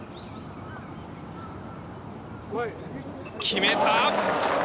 決めた。